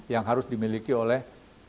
yang harus dimiliki oleh